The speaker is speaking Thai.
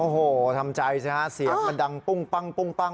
โอ้โหทำใจใช่ไหมเสียงมันดังปุ้งปังปุ้งปัง